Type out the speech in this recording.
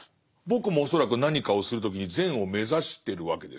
僕も恐らく何かをする時に善を目指してるわけですよね